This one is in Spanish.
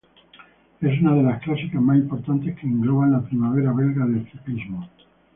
Es una de las clásicas más importantes que engloban la "primavera belga del ciclismo".